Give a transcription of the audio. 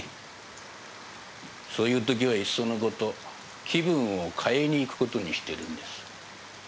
そういう時はいっそのこと気分を変えに行くことにしてるんです。